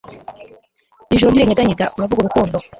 Ijuru ntirinyeganyega uravuga urukundo